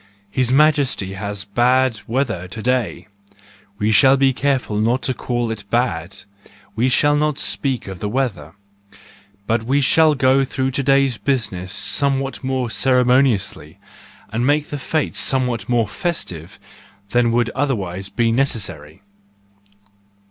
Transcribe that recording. His Majesty has bad weather to day: we shall be careful not to call it bad; we shall not speak of the weather,— but we shall go through to day's business somewhat more ceremoniously and make the fetes somewhat more festive than would otherwise be necessary.